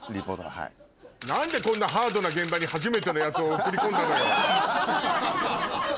何でこんなハードな現場に初めてのヤツを送り込んだのよ。